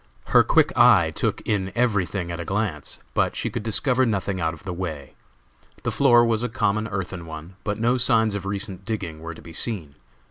Her quick eye took in every thing at a glance, but she could discover nothing out of the way. The floor was a common earthen one, but no signs of recent digging were to be seen.